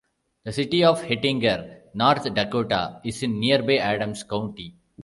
The "city" of Hettinger, North Dakota, is in nearby Adams County.